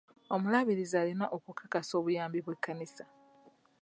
Omulabirizi alina okukakasa obuyambi bw'ekkanisa